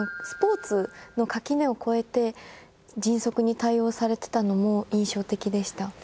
スポーツの垣根を越えて迅速に対応されてたのも印象的でした。